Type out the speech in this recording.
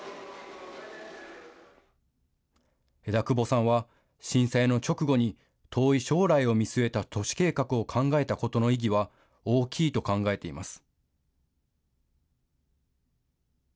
枝久保さんは、震災の直後に、遠い将来を見据えた都市計画を考えたことの意義は大きいと考えています。